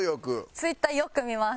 Ｔｗｉｔｔｅｒよく見ます。